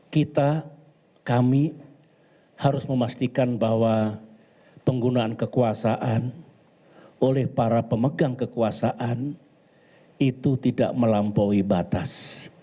kita kami harus memastikan bahwa penggunaan kekuasaan oleh para pemegang kekuasaan itu tidak melampaui batas